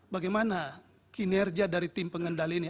bagaimana kinerja dari tim pengendali ini